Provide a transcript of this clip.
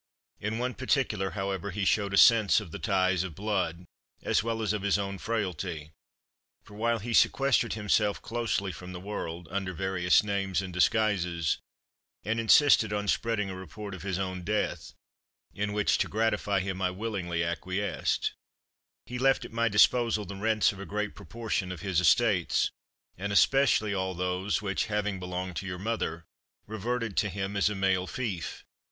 "In one particular, however, he showed a sense of the ties of blood, as well as of his own frailty; for while he sequestered himself closely from the world, under various names and disguises, and insisted on spreading a report of his own death (in which to gratify him I willingly acquiesced), he left at my disposal the rents of a great proportion of his estates, and especially all those, which, having belonged to your mother, reverted to him as a male fief.